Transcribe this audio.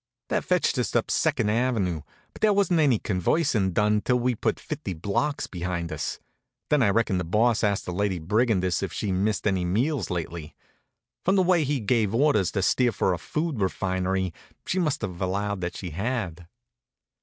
That fetched us up Second Avenue, but there wasn't any conversin' done until we'd put fifty blocks behind us. Then I reckon the Boss asked the Lady Brigandess if she'd missed any meals lately. From the way he gave orders to steer for a food refinery she must have allowed that she had.